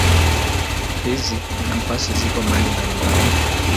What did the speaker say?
Hizi Kampasi zipo mahali mbalimbali.